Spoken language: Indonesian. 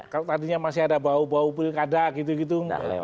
kalau tadinya masih ada bau bau pilkada gitu gitu